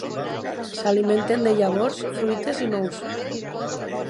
S'alimenten de llavors, fruites i nous.